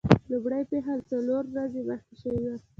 لومړۍ پیښه څلور ورځې مخکې شوې وه.